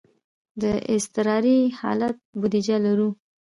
د اضطراري حالت بودیجه لرو؟